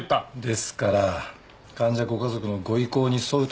ですから患者ご家族のご意向に沿う